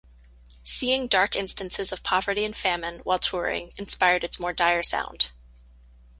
Seeing dark instances of poverty and famine while touring inspired its more dire sound.